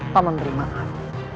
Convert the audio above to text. paman beri maaf